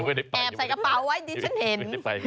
แอบใส่กระเป๋าไว้ดิฉันเห็น